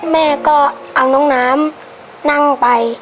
แม่ก็เอาน้องน้ำนั่งไป